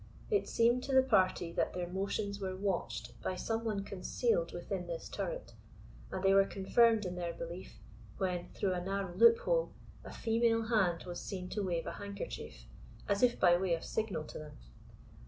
It seemed to the party that their motions were watched by some one concealed within this turret; and they were confirmed in their belief when, through a narrow loophole, a female hand was seen to wave a handkerchief, as if by way of signal to them.